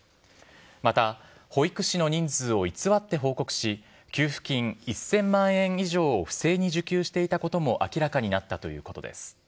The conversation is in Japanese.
また保育士の人数を偽って報告し、給付金１０００万円以上を不正に受給していたことも明らかになったということです。